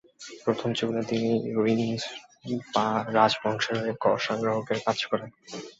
প্রথম জীবনে তিনি রিং-স্পুংস-পা রাজবংশের হয়ে কর-সংগ্রাহকের কাজ করেন।